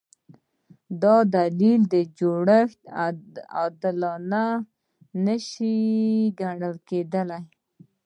دا ډول جوړښتونه عادلانه نشي ګڼل کېدای.